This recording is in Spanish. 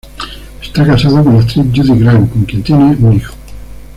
Está casado con la actriz Judith Grant, con quien tiene un hijo.